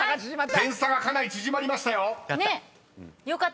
点差がかなり縮まりましたよ］